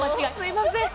すいません。